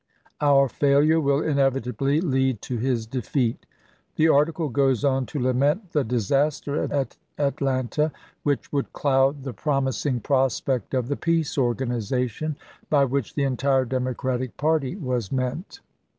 Our failure will inevitably lead to his defeat." The article goes on to lament the disaster at Atlanta, which would cloud the promis ing prospect of the peace organization ; by which the entire Democratic party was meant.